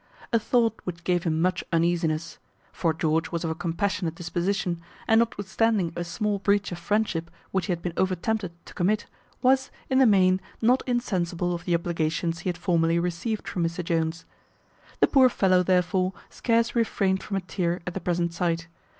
A thought which gave him much uneasiness; for George was of a compassionate disposition, and notwithstanding a small breach of friendship which he had been over tempted to commit, was, in the main, not insensible of the obligations he had formerly received from Mr Jones. The poor fellow, therefore, scarce refrained from a tear at the present sight.